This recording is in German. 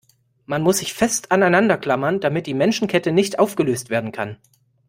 Man muss sich fest aneinander klammern, damit die Menschenkette nicht aufgelöst werden kann.